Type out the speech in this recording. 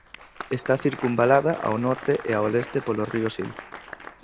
Está circunvalada ao norte e ao leste polo río Sil.